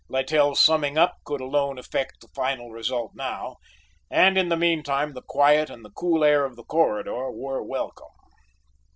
Littell's summing up could alone affect the final result now, and in the meanwhile the quiet and the cool air of the corridor were welcome.